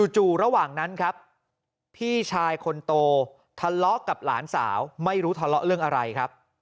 ระหว่างนั้นครับพี่ชายคนโตทะเลาะกับหลานสาวไม่รู้ทะเลาะเรื่องอะไรครับ